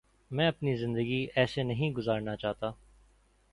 میں اپنی زندگی ایسے نہیں گزارنا چاہتا